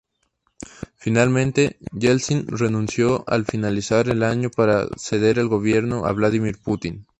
Finalmente, Yeltsin renunció al finalizar el año para ceder el gobierno a Vladímir Putin.